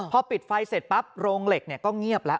พอปิดไฟเสร็จปั๊บโรงเหล็กก็เงียบแล้ว